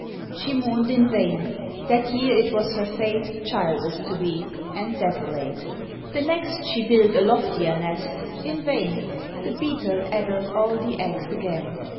She mourned in vain; that year it was her fate Childless to be, and desolate. The next she built a loftier nest in vain, The Beetle addled all the eggs again.